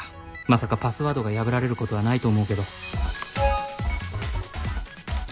まさかパスワードが破られることはないと思うけど